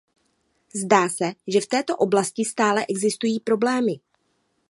Zdá se, že v této oblasti stále existují problémy.